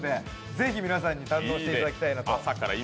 ぜひ皆さんに堪能していただきたいと。